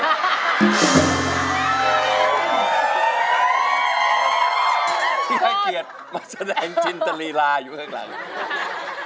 ให้เกียรติมาแสดงจินตรีลาอยู่ข้างหลัง